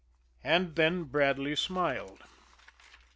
And then Bradley smiled.